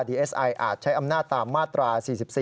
เอสไออาจใช้อำนาจตามมาตรา๔๔